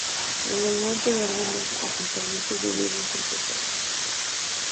En el monte verde, los asentamientos debieron ser temporales.